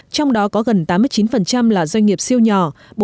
trong đó có gần tám mươi chín là doanh nghiệp siêu nhỏ